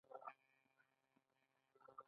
لږ لږ کارونه د جنسیت په اساس وویشل شول.